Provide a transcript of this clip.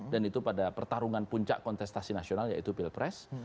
dan itu pada pertarungan puncak kontestasi nasional yaitu pilpres